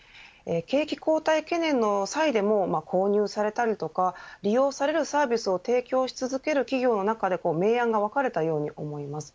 景気後退懸念の際でも購入されたりとか利用されるサービスを提供し続ける企業の中で明暗が分かれたように思います。